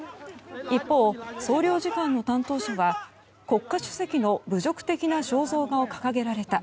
一方、総領事館の担当者は国家主席の侮辱的な肖像画を掲げられた。